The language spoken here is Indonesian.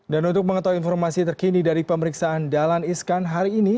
dan untuk mengetahui informasi terkini dari pemeriksaan dalan iskan hari ini